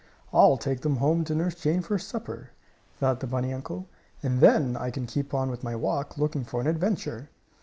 "I'll take them home to Nurse Jane for supper," thought the bunny uncle, "and then I can keep on with my walk, looking for an adventure."